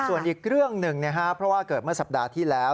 ส่วนอีกเรื่องหนึ่งเพราะว่าเกิดเมื่อสัปดาห์ที่แล้ว